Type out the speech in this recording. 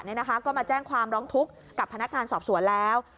ก็มาแจ้งความร้องทุกข์กับพนักงานสอบสวนแล้ว